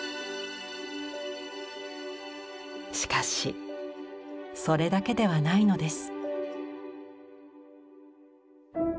しかしそれだけではないのです。